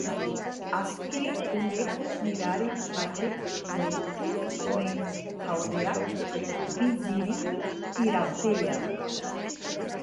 Azken uneko mirari batek lortu zuen taldeak bizirik irautea.